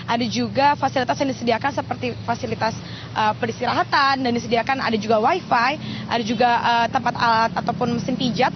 ada juga fasilitas yang disediakan seperti fasilitas peristirahatan dan disediakan ada juga wifi ada juga tempat alat ataupun mesin pijat